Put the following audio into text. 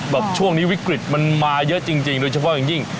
ช่วงนี้วิกฤตมันมาเยอะจริงโดยเฉพาะอย่างยิ่ง